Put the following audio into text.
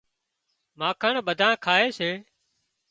مانکڻ ٻڌانئين کائي سي